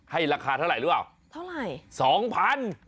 ราคาเท่าไหร่หรือเปล่าเท่าไหร่